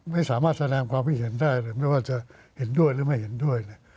ไม่สามารถแสดงความพิเศษได้ไม่ว่าจะเห็นด้วยหรือไม่เห็นด้วย